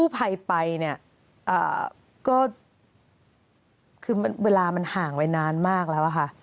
ภัยไปเนี่ยก็คือเวลามันห่างไปนานมากแล้วอะค่ะ